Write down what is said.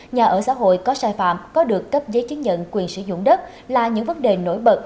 nhà ở xã hội có sai phạm có được cấp giấy chứng nhận quyền sử dụng đất là những vấn đề nổi bật